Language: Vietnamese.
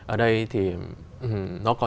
ở đây thì nó có